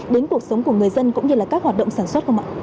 đến cuộc sống của người dân cũng như là các hoạt động sản xuất không ạ